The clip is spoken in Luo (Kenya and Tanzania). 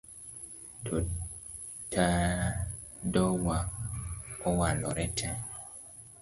Tadowa owalore tee